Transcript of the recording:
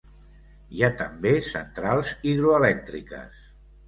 Hi ha també centrals hidroelèctriques.